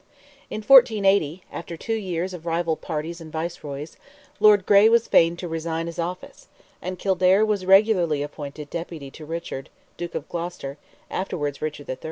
In 1480, after two years of rival parties and viceroys, Lord Grey was feign to resign his office, and Kildare was regularly appointed Deputy to Richard, Duke of Gloucester, afterwards Richard III.